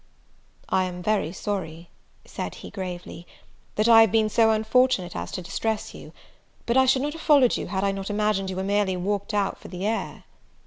"I am very sorry," said he, gravely, "that I have been so unfortunate as to distress you; but I should not have followed you had I not imagined you were merely walked out for the air."